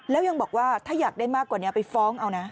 แล้วยังบอกว่าถ้าอยากได้มากกว่านี้ไปฟ้องเอานะ